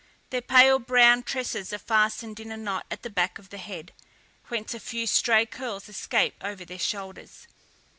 Their pale brown tresses are fastened in a knot at the back of the head, whence a few stray curls escape over their shoulders.